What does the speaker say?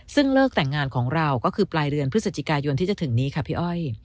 ซึ่งเลิกแต่งงานของเราก็คือปลายเดือนพฤศจิกายนที่จะถึงนี้ค่ะพี่อ้อย